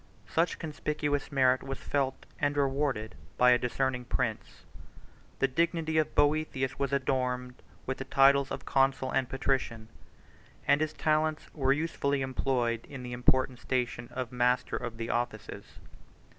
Such conspicuous merit was felt and rewarded by a discerning prince: the dignity of Boethius was adorned with the titles of consul and patrician, and his talents were usefully employed in the important station of master of the offices.